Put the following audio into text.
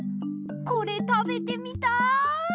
これたべてみたい！